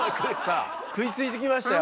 食いつきましたよ。